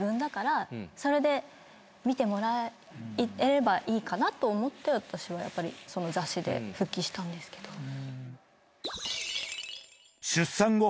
それで見てもらえればいいかなと思って私はやっぱりその雑誌で復帰したんですけど。